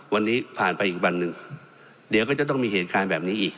วันนี้ผ่านไปอีกวันหนึ่งเดี๋ยวก็จะต้องมีเหตุการณ์แบบนี้อีก